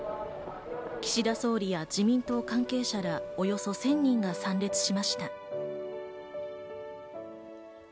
岸田総理や自民党関係者ら、およそ１０００人が参列しました。